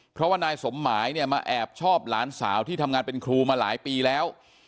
เพราะว่านายสมหมายเนี่ยมาแอบชอบหลานสาวที่ทำงานเป็นครูมาหลายปีแล้ว